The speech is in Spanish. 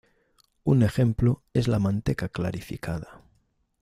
Un ejemplo es la manteca clarificada.